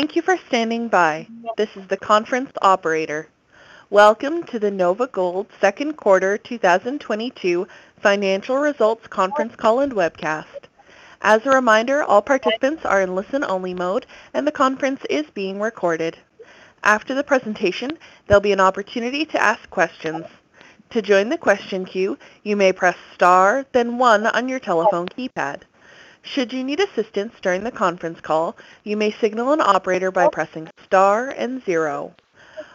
Thank you for standing by. This is the conference operator. Welcome to the NovaGold second quarter 2022 financial results conference call and webcast. As a reminder, all participants are in listen only mode and the conference is being recorded. After the presentation, there'll be an opportunity to ask questions. To join the question queue, you may press star then one on your telephone keypad. Should you need assistance during the conference call, you may signal an operator by pressing star and zero.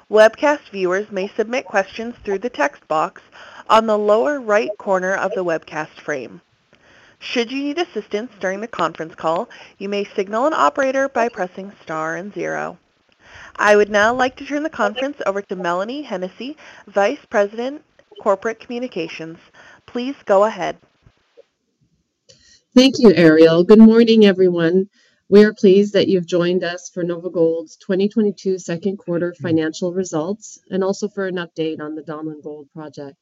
Webcast viewers may submit questions through the text box on the lower right corner of the webcast frame. Should you need assistance during the conference call, you may signal an operator by pressing star and zero. I would now like to turn the conference over to Mélanie Hennessey, Vice President, Corporate Communications. Please go ahead. Thank you, Ariel. Good morning, everyone. We are pleased that you've joined us for NovaGold's 2022 second quarter financial results, and also for an update on the Donlin Gold project.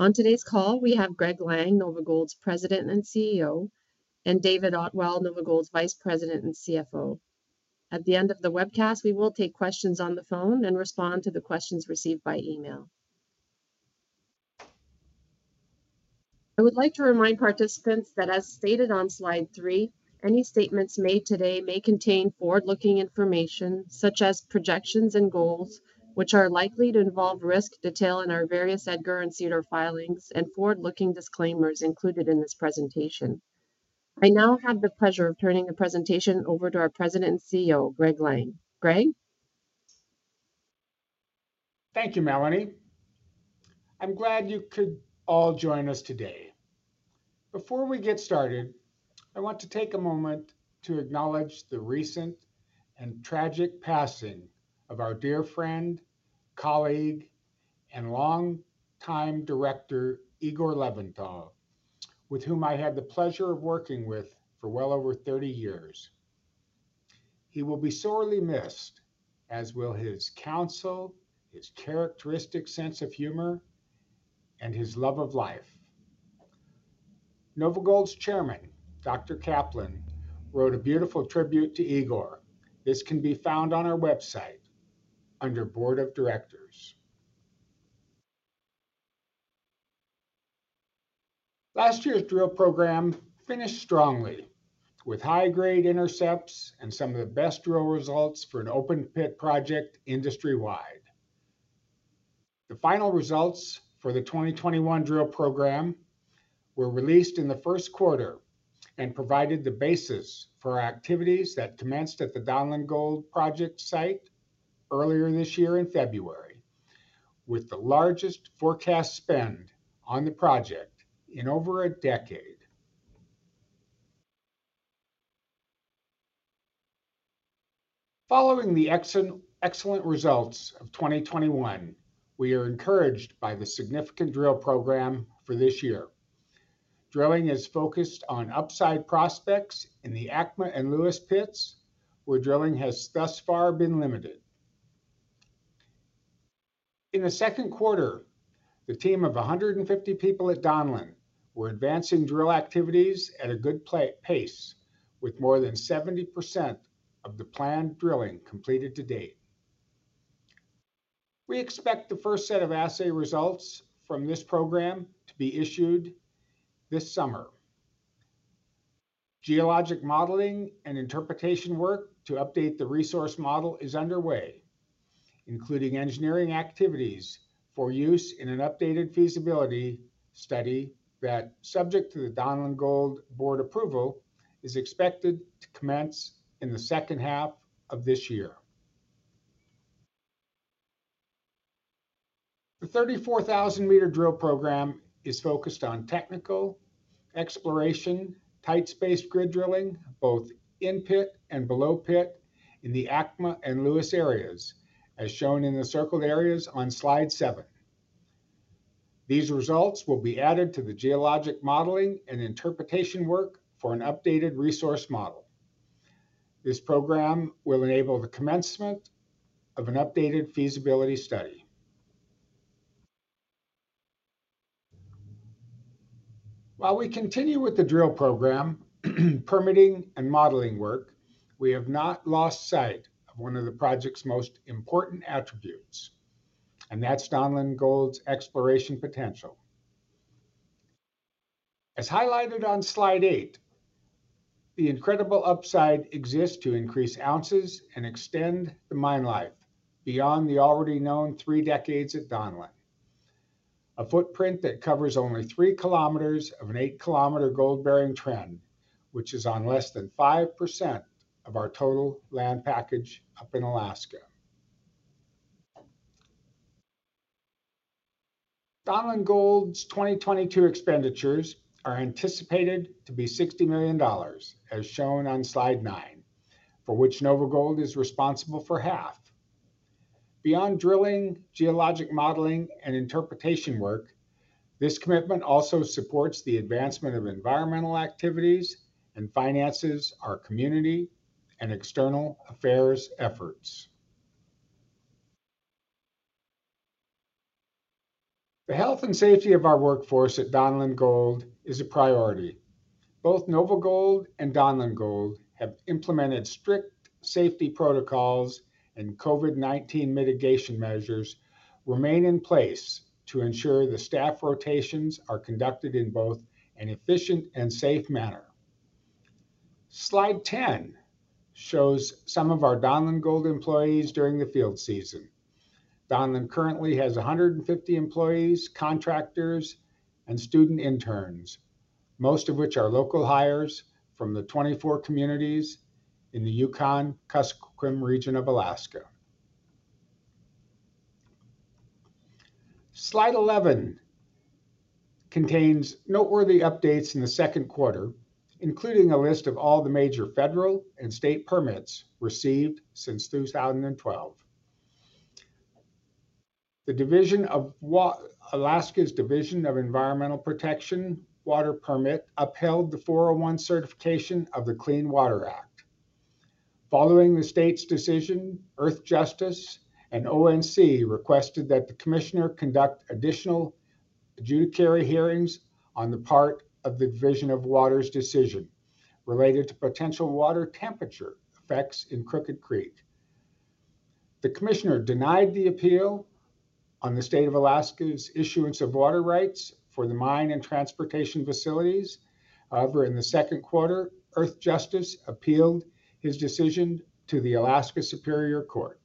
On today's call, we have Greg Lang, NovaGold's President and Chief Executive Officer, and David Ottewell, NovaGold's Vice President and Chief Financial Officer. At the end of the webcast, we will take questions on the phone and respond to the questions received by email. I would like to remind participants that as stated on slide three, any statements made today may contain forward-looking information, such as projections and goals, which are likely to involve risk detailed in our various EDGAR and SEDAR filings and forward-looking disclaimers included in this presentation. I now have the pleasure of turning the presentation over to our President and Chief Executive Officer, Greg Lang. Greg? Thank you, Melanie. I'm glad you could all join us today. Before we get started, I want to take a moment to acknowledge the recent and tragic passing of our dear friend, colleague, and longtime director, Igor Levental, with whom I had the pleasure of working with for well over 30 years. He will be sorely missed, as will his counsel, his characteristic sense of humor, and his love of life. NovaGold's chairman, Dr. Kaplan, wrote a beautiful tribute to Igor. This can be found on our website under Board of Directors. Last year's drill program finished strongly with high-grade intercepts and some of the best drill results for an open pit project industry-wide. The final results for the 2021 drill program were released in the first quarter and provided the basis for activities that commenced at the Donlin Gold project site earlier this year in February, with the largest forecast spend on the project in over a decade. Following the excellent results of 2021, we are encouraged by the significant drill program for this year. Drilling is focused on upside prospects in the ACMA and Lewis pits, where drilling has thus far been limited. In the second quarter, the team of 150 people at Donlin were advancing drill activities at a good pace with more than 70% of the planned drilling completed to date. We expect the first set of assay results from this program to be issued this summer. Geologic modeling and interpretation work to update the resource model is underway, including engineering activities for use in an updated feasibility study that, subject to the Donlin Gold board approval, is expected to commence in the second half of this year. The 34,000-meter drill program is focused on technical exploration, tight-spaced grid drilling, both in-pit and below-pit in the ACMA and Lewis areas, as shown in the circled areas on slide seven. These results will be added to the geologic modeling and interpretation work for an updated resource model. This program will enable the commencement of an updated feasibility study. While we continue with the drill program, permitting and modeling work, we have not lost sight of one of the project's most important attributes, and that's Donlin Gold's exploration potential. As highlighted on slide eight, the incredible upside exists to increase ounces and extend the mine life beyond the already known three decades at Donlin. A footprint that covers only three kilometers of an eight kilometer gold-bearing trend, which is on less than 5% of our total land package up in Alaska. Donlin Gold's 2022 expenditures are anticipated to be $60 million, as shown on slide nine, for which NovaGold is responsible for half. Beyond drilling, geologic modeling, and interpretation work, this commitment also supports the advancement of environmental activities and finances our community and external affairs efforts. The health and safety of our workforce at Donlin Gold is a priority. Both NovaGold and Donlin Gold have implemented strict safety protocols, and COVID-19 mitigation measures remain in place to ensure the staff rotations are conducted in both an efficient and safe manner. Slide 10 shows some of our Donlin Gold employees during the field season. Donlin currently has 150 employees, contractors, and student interns, most of which are local hires from the 24 communities in the Yukon-Kuskokwim region of Alaska. Slide 11 contains noteworthy updates in the second quarter, including a list of all the major federal and state permits received since 2012. Alaska's Division of Environmental Conservation water permit upheld the 401 certification of the Clean Water Act. Following the state's decision, Earthjustice and ONC requested that the commissioner conduct additional judicial hearings on the part of the Division of Water's decision related to potential water temperature effects in Crooked Creek. The commissioner denied the appeal on the state of Alaska's issuance of water rights for the mine and transportation facilities. However, in the second quarter, Earthjustice appealed his decision to the Alaska Superior Court.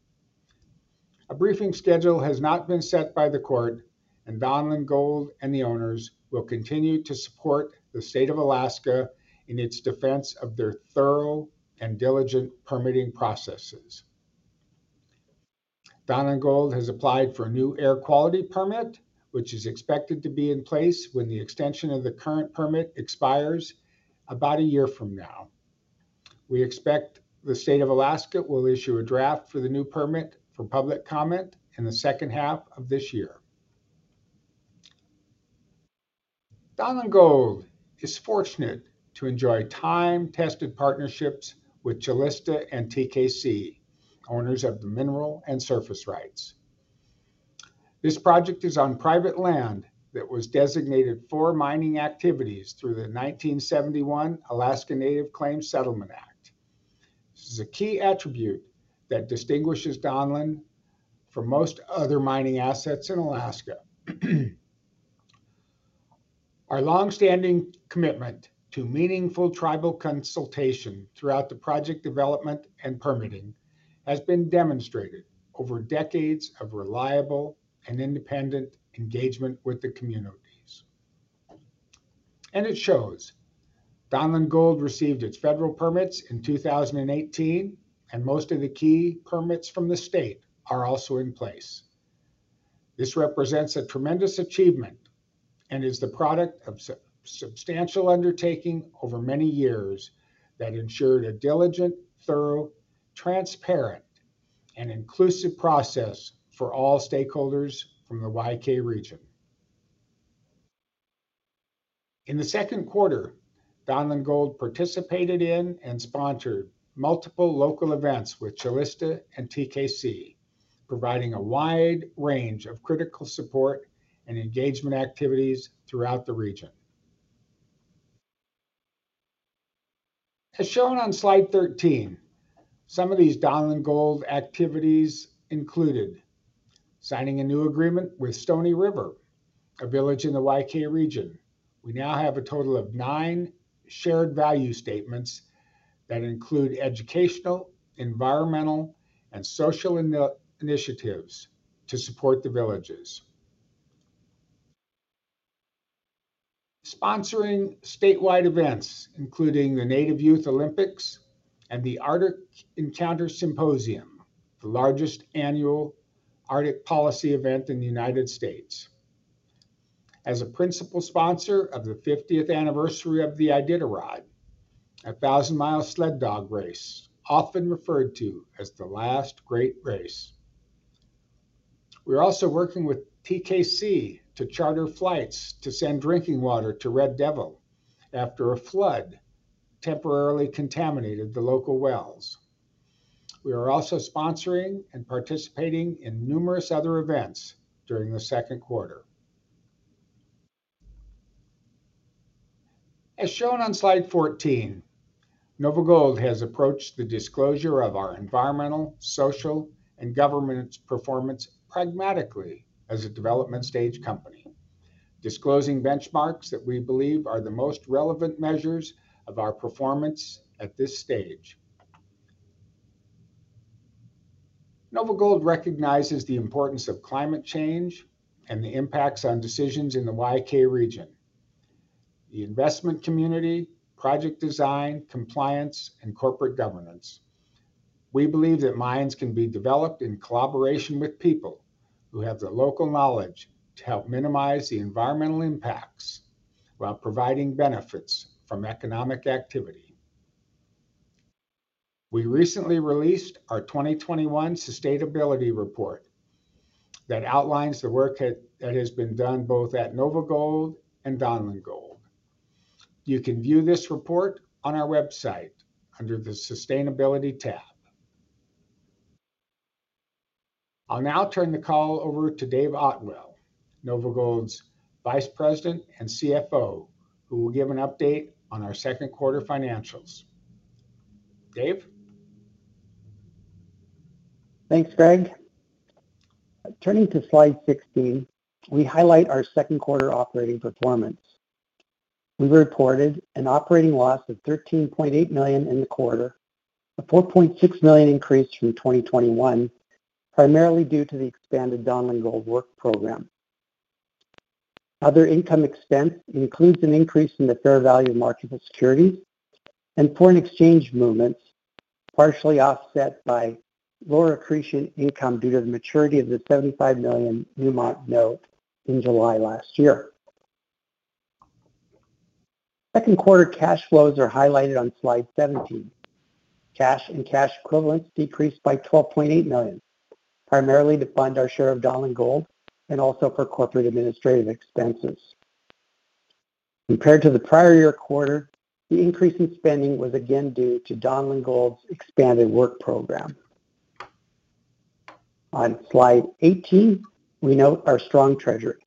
A briefing schedule has not been set by the court, and Donlin Gold and the owners will continue to support the state of Alaska in its defense of their thorough and diligent permitting processes. Donlin Gold has applied for a new air quality permit, which is expected to be in place when the extension of the current permit expires about a year from now. We expect the state of Alaska will issue a draft for the new permit for public comment in the second half of this year. Donlin Gold is fortunate to enjoy time-tested partnerships with Calista and TKC, owners of the mineral and surface rights. This project is on private land that was designated for mining activities through the 1971 Alaska Native Claims Settlement Act. This is a key attribute that distinguishes Donlin from most other mining assets in Alaska. Our long-standing commitment to meaningful tribal consultation throughout the project development and permitting has been demonstrated over decades of reliable and independent engagement with the communities, and it shows. Donlin Gold received its federal permits in 2018, and most of the key permits from the state are also in place. This represents a tremendous achievement and is the product of substantial undertaking over many years that ensured a diligent, thorough, transparent, and inclusive process for all stakeholders from the YK region. In the second quarter, Donlin Gold participated in and sponsored multiple local events with Calista and TKC, providing a wide range of critical support and engagement activities throughout the region. As shown on Slide 13, some of these Donlin Gold activities included signing a new agreement with Stony River, a village in the YK region. We now have a total of nine Shared Value Statements that include educational, environmental, and social initiatives to support the villages. Sponsoring statewide events including the Native Youth Olympics and the Arctic Encounter Symposium, the largest annual Arctic policy event in the United States. As a principal sponsor of the fiftieth anniversary of the Iditarod, a 1,000-mile sled dog race, often referred to as the Last Great Race. We're also working with TKC to charter flights to send drinking water to Red Devil after a flood temporarily contaminated the local wells. We are also sponsoring and participating in numerous other events during the second quarter. As shown on Slide 14, NovaGold has approached the disclosure of our environmental, social, and governance performance pragmatically as a development stage company, disclosing benchmarks that we believe are the most relevant measures of our performance at this stage. NovaGold recognizes the importance of climate change and the impacts on decisions in the YK region, the investment community, project design, compliance, and corporate governance. We believe that mines can be developed in collaboration with people who have the local knowledge to help minimize the environmental impacts while providing benefits from economic activity. We recently released our 2021 sustainability report that outlines the work that has been done both at NovaGold and Donlin Gold. You can view this report on our website under the Sustainability tab. I'll now turn the call over to David Ottewell, NovaGold's Vice President and Chief Financial Officer, who will give an update on our second quarter financials. David? Thanks, Greg. Turning to Slide 16, we highlight our second quarter operating performance. We reported an operating loss of $13.8 million in the quarter, a $4.6 million increase from 2021, primarily due to the expanded Donlin Gold work program. Other income/expense includes an increase in the fair value of marketable securities and foreign exchange movements, partially offset by lower accretion income due to the maturity of the $75 million Newmont note in July last year. Second quarter cash flows are highlighted on Slide 17. Cash and cash equivalents decreased by $12.8 million, primarily to fund our share of Donlin Gold and also for corporate administrative expenses. Compared to the prior-year quarter, the increase in spending was again due to Donlin Gold's expanded work program. On Slide 18, we note our strong treasury.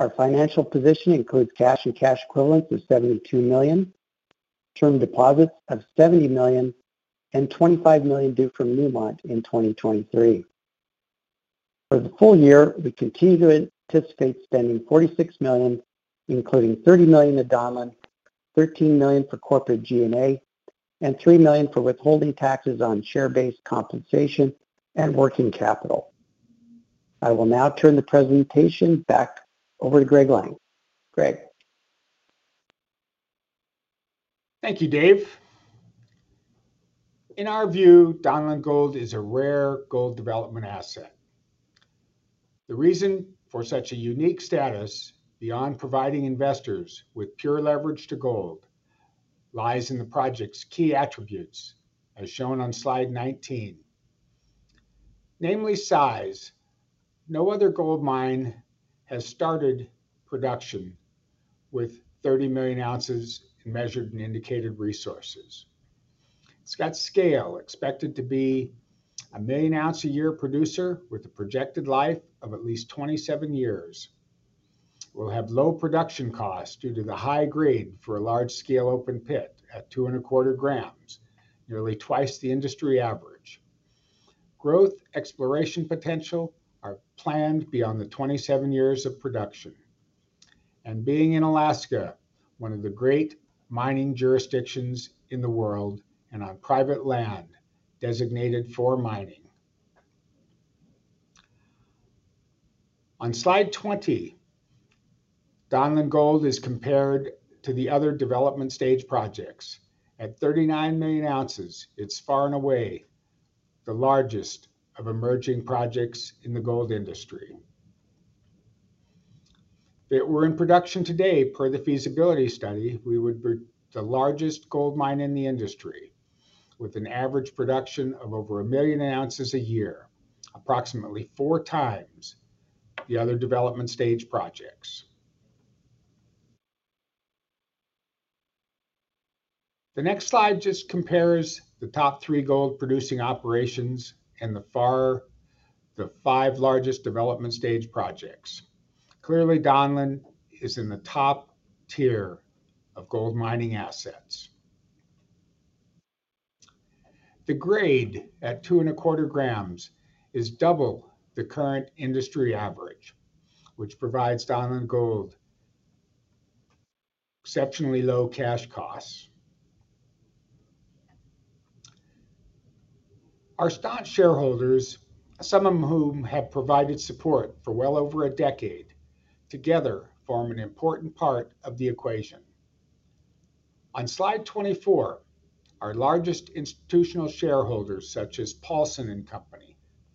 Our financial position includes cash and cash equivalents of $72 million, term deposits of $70 million, and $25 million due from Newmont in 2023. For the full year, we continue to anticipate spending $46 million, including $30 million to Donlin, $13 million for corporate G&A, and $3 million for withholding taxes on share-based compensation and working capital. I will now turn the presentation back over to Greg Lang. Greg? Thank you, Dave. In our view, Donlin Gold is a rare gold development asset. The reason for such a unique status beyond providing investors with pure leverage to gold lies in the project's key attributes, as shown on Slide 19. Namely size. No other gold mine has started production with 30 million ounces in measured and indicated resources. It's got scale, expected to be a 1 million-ounce a year producer with a projected life of at least 27 years. Will have low production cost due to the high grade for a large scale open pit at 2.25 grams, nearly twice the industry average. Growth exploration potential are planned beyond the 27 years of production. Being in Alaska, one of the great mining jurisdictions in the world, and on private land designated for mining. On Slide 20, Donlin Gold is compared to the other development-stage projects. At 39 million ounces, it's far and away the largest of emerging projects in the gold industry. If it were in production today per the feasibility study, we would be the largest gold mine in the industry with an average production of over 1 million ounces a year, approximately 4x the other development stage projects. The next slide just compares the top three gold producing operations and the five largest development stage projects. Clearly, Donlin is in the top tier of gold mining assets. The grade at 2.25 grams is double the current industry average, which provides Donlin Gold exceptionally low cash costs. Our stock shareholders, some of whom have provided support for well over a decade, together form an important part of the equation. On Slide 24, our largest institutional shareholders, such as Paulson & Co.,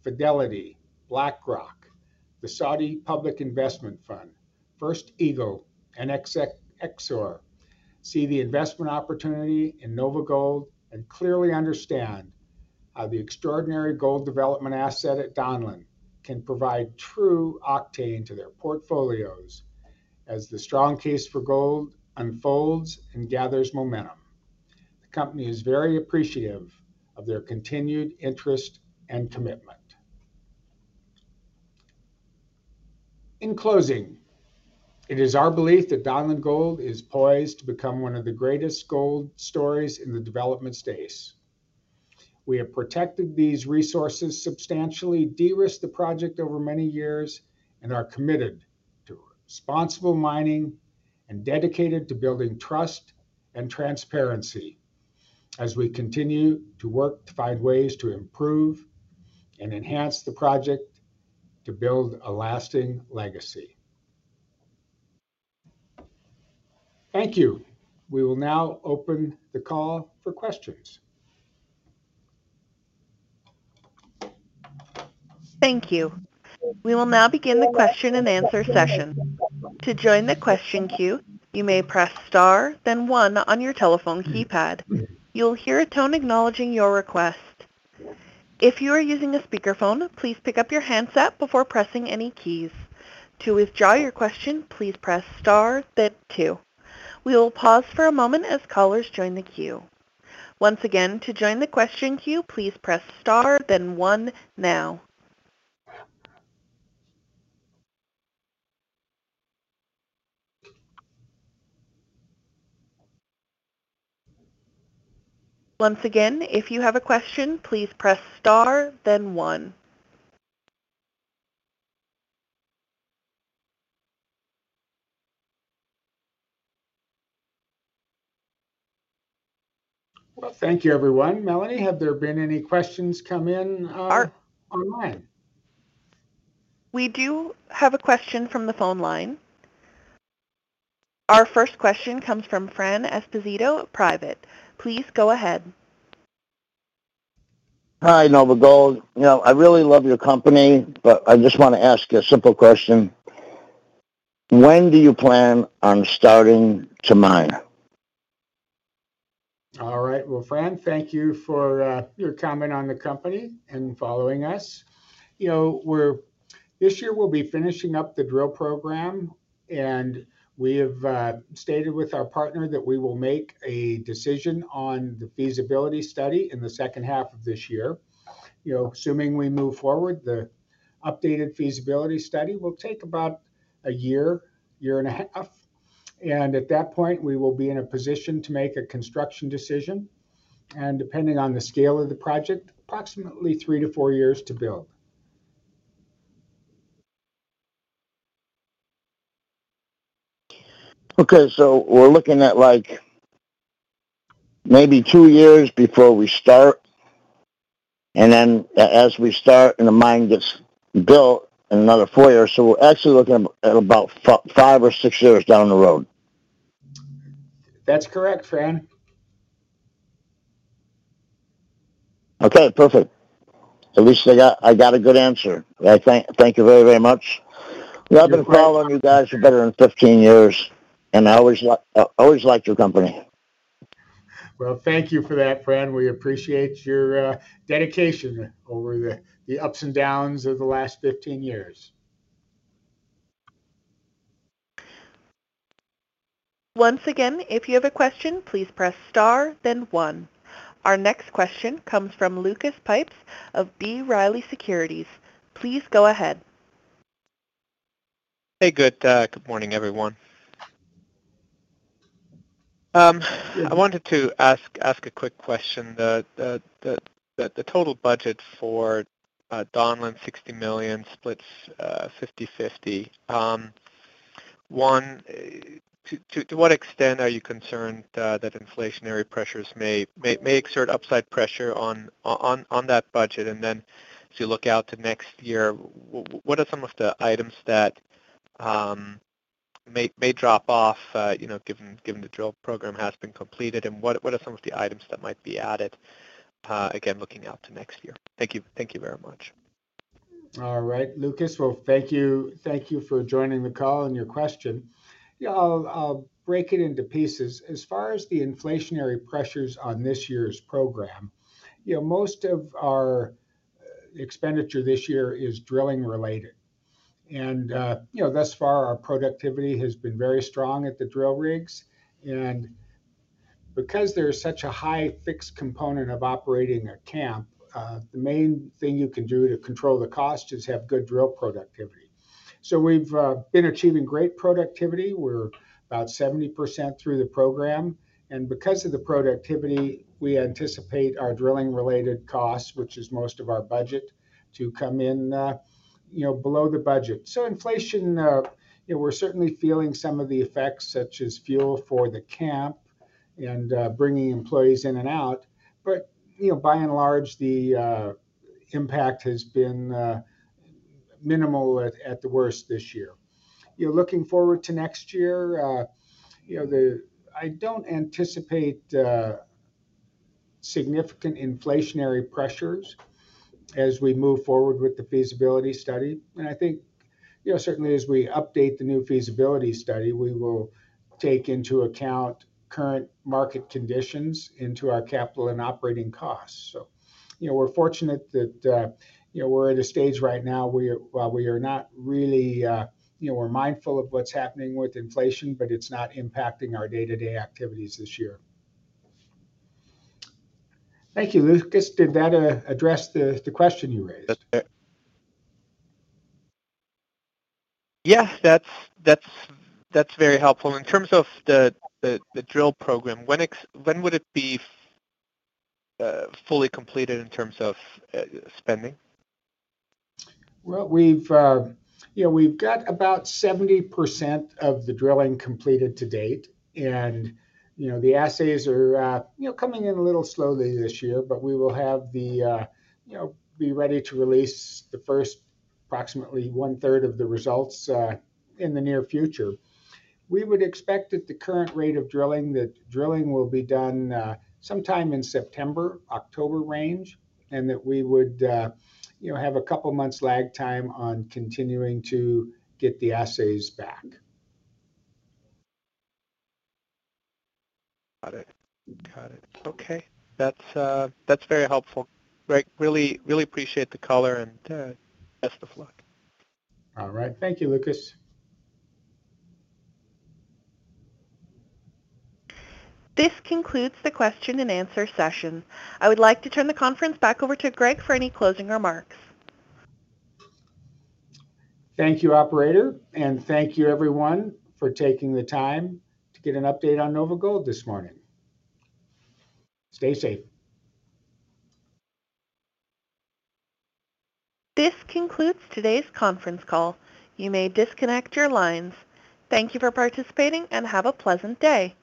Fidelity, BlackRock, the Saudi Public Investment Fund, First Eagle, and Exor, see the investment opportunity in NovaGold and clearly understand how the extraordinary gold development asset at Donlin can provide true octane to their portfolios as the strong case for gold unfolds and gathers momentum. The company is very appreciative of their continued interest and commitment. In closing, it is our belief that Donlin Gold is poised to become one of the greatest gold stories in the development space. We have protected these resources, substantially de-risked the project over many years, and are committed to responsible mining and dedicated to building trust and transparency as we continue to work to find ways to improve and enhance the project to build a lasting legacy. Thank you. We will now open the call for questions. Thank you. We will now begin the question and answer session. To join the question queue, you may press star then one on your telephone keypad. You'll hear a tone acknowledging your request. If you are using a speakerphone, please pick up your handset before pressing any keys. To withdraw your question, please press star then two. We will pause for a moment as callers join the queue. Once again, to join the question queue, please press star then one now. Once again, if you have a question, please press star then one. Well, thank you everyone. Mélanie, have there been any questions come in? Our- -online? We do have a question from the phone line. Our first question comes from Fran Esposito, private. Please go ahead. Hi, NovaGold. You know, I really love your company, but I just wanna ask you a simple question. When do you plan on starting to mine? All right. Well, Fran, thank you for your comment on the company and following us. You know, this year we'll be finishing up the drill program, and we have stated with our partner that we will make a decision on the feasibility study in the second half of this year. You know, assuming we move forward, the updated feasibility study will take about a year and a half. At that point, we will be in a position to make a construction decision. Depending on the scale of the project, approximately three to four years to build. Okay. We're looking at, like, maybe two years before we start, and then as we start and the mine gets built in another four years. We're actually looking at about five or six years down the road. That's correct, Fran. Okay, perfect. At least I got a good answer. I thank you very, very much. Yeah. You know, I've been following you guys for better than 15 years, and I always liked your company. Well, thank you for that, Fran. We appreciate your dedication over the ups and downs of the last 15 years. Once again, if you have a question, please press star then one. Our next question comes from Lucas Pipes of B. Riley Securities. Please go ahead. Hey, good morning, everyone. Yeah. I wanted to ask a quick question. The total budget for Donlin, $60 million splits 50/50. To what extent are you concerned that inflationary pressures may exert upside pressure on that budget? Then as you look out to next year, what are some of the items that may drop off, you know, given the drill program has been completed, and what are some of the items that might be added, again, looking out to next year? Thank you. Thank you very much. All right, Lucas. Well, thank you for joining the call and your question. Yeah, I'll break it into pieces. As far as the inflationary pressures on this year's program, you know, most of our expenditure this year is drilling related. You know, thus far our productivity has been very strong at the drill rigs. Because there is such a high fixed component of operating a camp, the main thing you can do to control the cost is have good drill productivity. We've been achieving great productivity. We're about 70% through the program. Because of the productivity, we anticipate our drilling related costs, which is most of our budget to come in, you know, below the budget. Inflation, you know, we're certainly feeling some of the effects such as fuel for the camp and bringing employees in and out. You know, by and large, the impact has been minimal at the worst this year. You know, looking forward to next year, you know, I don't anticipate significant inflationary pressures as we move forward with the feasibility study. I think, you know, certainly as we update the new feasibility study, we will take into account current market conditions into our capital and operating costs. You know, we're fortunate that, you know, we're at a stage right now where while we are not really you know, we're mindful of what's happening with inflation, but it's not impacting our day-to-day activities this year. Thank you, Lucas. Did that address the question you raised? That's it. Yes. That's very helpful. In terms of the drill program, when would it be fully completed in terms of spending? Well, you know, we've got about 70% of the drilling completed to date. You know, the assays are you know coming in a little slowly this year, but we will you know be ready to release the first approximately one-third of the results in the near future. We would expect at the current rate of drilling that drilling will be done sometime in September-October range, and that we would you know have a couple months lag time on continuing to get the assays back. Got it. Okay. That's very helpful. Greg, really appreciate the color and best of luck. All right. Thank you, Lucas. This concludes the question and answer session. I would like to turn the conference back over to Greg for any closing remarks. Thank you, Operator, and thank you everyone for taking the time to get an update on NovaGold this morning. Stay safe. This concludes today's conference call. You may disconnect your lines. Thank you for participating, and have a pleasant day.